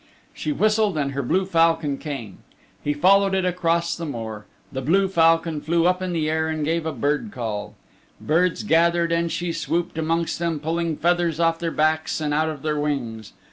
She whistled and her blue falcon came. He followed it across the moor. The blue falcon flew up in the air and gave a bird call. Birds gathered and she swooped amongst them pulling feathers off their backs and out of their wings.